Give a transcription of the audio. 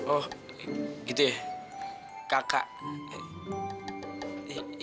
oh gitu ya kakak